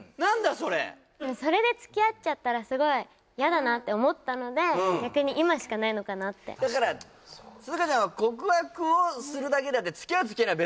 それそれで付き合っちゃったらすごい嫌だなって思ったので逆に今しかないのかなってだから涼香ちゃんは告白をするだけであって付き合う付き合わないは